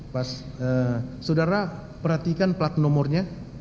pas saudara perhatikan plat nomornya